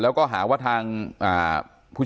วันที่๑๒นี้